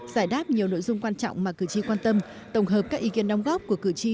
giải đáp nhiều nội dung quan trọng mà cử tri quan tâm tổng hợp các ý kiến đóng góp của cử tri